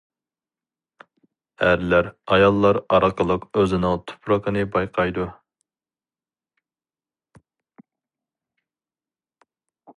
ئەرلەر ئاياللار ئارقىلىق ئۆزىنىڭ تۇپرىقىنى بايقايدۇ.